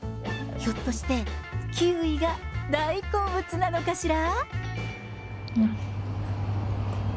ひょっとして、キウイが大好物なのかしら。